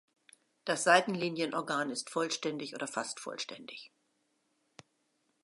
Das Seitenlinienorgan ist vollständig oder fast vollständig.